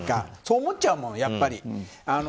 そう思っちゃうもん、やっぱり。